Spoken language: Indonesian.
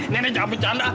nenek jangan bercanda